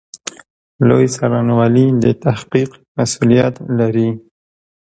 لوی څارنوالي د تحقیق مسوولیت لري